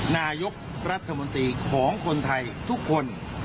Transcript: นายกรัฐมนตรีของคนไทยทุกคน